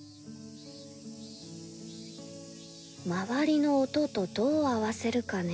周りの音とどう合わせるかねえ。